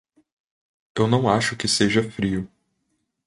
Eu não acho que seja frio.